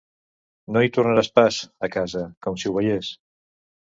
No hi tornarà pas, a casa: com si ho veiés!